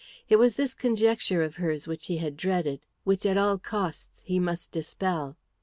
It was this conjecture of hers which he had dreaded, which at all costs he must dispel.